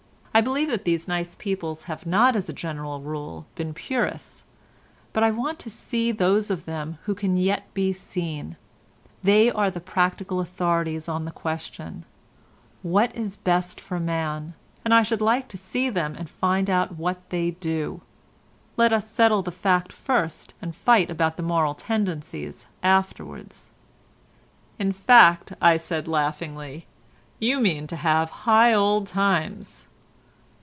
I believe that these nice peoples have not as a general rule been purists, but I want to see those of them who can yet be seen; they are the practical authorities on the question—What is best for man? and I should like to see them and find out what they do. Let us settle the fact first and fight about the moral tendencies afterwards." "In fact," said I laughingly, "you mean to have high old times."